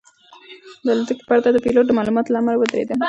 د الوتکې پرده د پیلوټ د معلوماتو له امله ودرېده.